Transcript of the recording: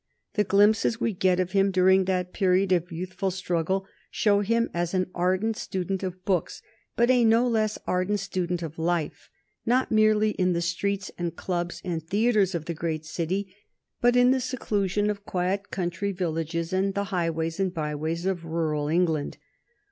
The glimpses we get of him during that period of youthful struggle show him as an ardent student of books, but a no less ardent student of life, not merely in the streets and clubs and theatres of the great city, but in the seclusion of quiet country villages and the highways and byways of rural England.